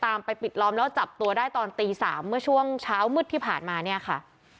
ไปปิดล้อมแล้วจับตัวได้ตอนตี๓เมื่อช่วงเช้ามืดที่ผ่านมาเนี่ยค่ะ